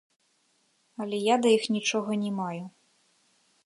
Але я да іх нічога не маю.